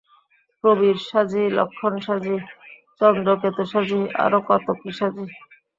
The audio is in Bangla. প্রবীর সাজি, লক্ষণ সাজি, চন্দ্রকেতু সাজি, আরও কত কী সাজি।